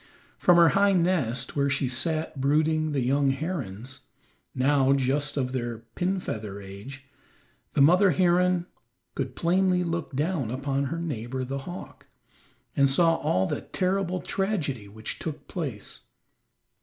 From her high nest, where she sat brooding the young herons, now just out of their pin feather age, the mother heron could plainly look down upon her neighbor the hawk, and saw all the terrible tragedy which took place.